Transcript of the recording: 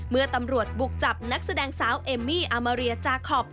เมื่อตำรวจบุกจับนักแสดงสาวเอมมี่อามาเรียจาคอป